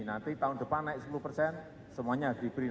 nanti tahun depan naik sepuluh persen semuanya diberikan